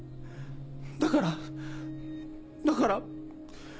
だからだから。